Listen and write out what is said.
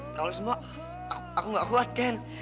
kalau semua aku nggak kuat ken